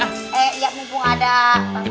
eh ya mumpung ada pak fatah